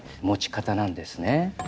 持ち方なんですね。